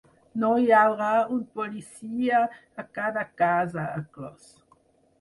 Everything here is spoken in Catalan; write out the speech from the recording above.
“No hi haurà un policia a cada casa”, ha clos.